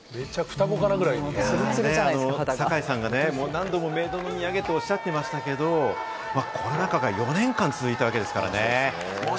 坂井さんが何度も冥途の土産とおっしゃってましたけれど、コロナ禍が４年間続いたわけですからね。